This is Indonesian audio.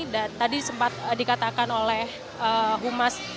dan tadi sempat dikatakan oleh humas